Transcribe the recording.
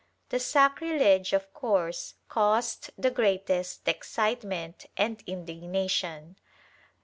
The sacrilege of course caused the greatest excitement and indig nation.